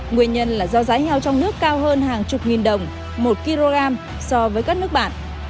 nguyên nhân là do giá heo trong nước cao hơn hàng chục nghìn đồng một kg so với các nước bạn